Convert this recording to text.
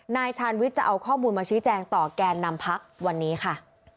ชาญวิทย์จะเอาข้อมูลมาชี้แจงต่อแกนนำพักวันนี้ค่ะ